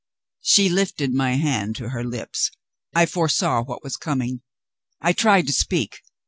She lifted my hand to her lips. I foresaw what was coming; I tried to speak.